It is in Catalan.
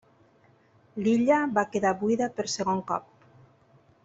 L'illa va quedar buida per segon cop.